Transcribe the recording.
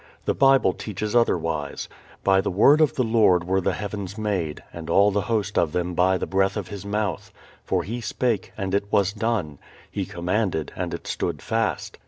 The Bible teaches otherwise: "By the word of the Lord were the heavens made; and all the host of them by the breath of his mouth.... For he spake, and it was done; he commanded, and it stood fast."